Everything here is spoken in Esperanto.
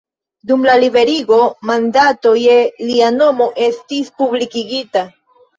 Dum la Liberigo, mandato je lia nomo estis publikigita.